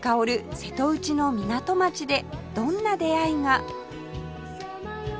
瀬戸内の港町でどんな出会いが？